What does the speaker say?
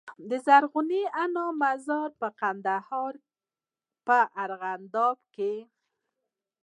د زرغونې انا مزار د کندهار په ارغنداب کي